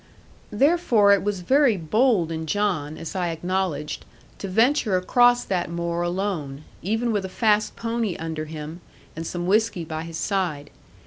Therefore it was very bold in John (as I acknowledged) to venture across that moor alone, even with a fast pony under him, and some whisky by his side.